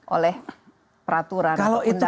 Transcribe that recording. oleh peraturan atau undang undang